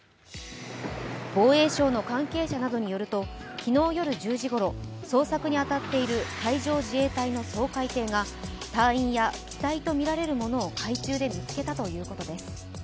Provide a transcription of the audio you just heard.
防衛省の関係者などによると昨日夜１０時ごろ、捜索に当たっている海上自衛隊の掃海艇が隊員や機体とみられるものを海中で見つけたということです。